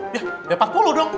ya dari empat puluh dong